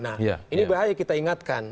nah ini bahaya kita ingatkan